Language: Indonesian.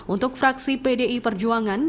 untuk fraksi pdi perjuangan